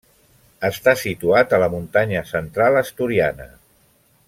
Està situat a la muntanya central asturiana.